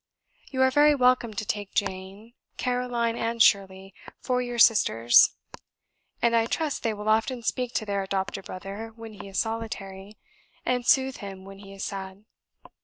You are very welcome to take Jane, Caroline, and Shirley for your sisters, and I trust they will often speak to their adopted brother when he is solitary, and soothe him when he is sad.